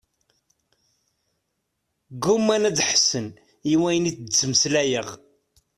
Gguman ad ḥessen i wayen i d-ttmeslayeɣ.